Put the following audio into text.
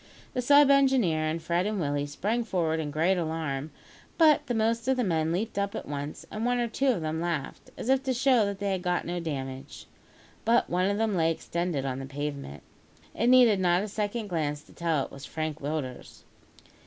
The sub engineer and Fred and Willie sprang forward in great alarm; but the most of the men leaped up at once, and one or two of them laughed, as if to show that they had got no damage. But one of them lay extended on the pavement. It needed not a second glance to tell that it was Frank Willders.